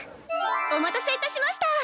お待たせいたしました。